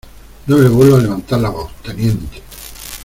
no me vuelva a levantar la voz, teniente.